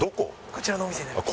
こちらのお店になります。